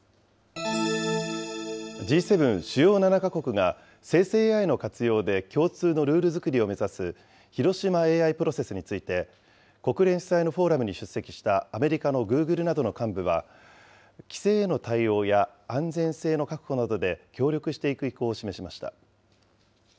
Ｇ７・主要７か国が、生成ＡＩの活用で共通のルール作りを目指す広島ＡＩプロセスについて、国連主催のフォーラムに出席したアメリカのグーグルなどの幹部は、規制への対応や安全性の確保などで協力していく意向を示しました。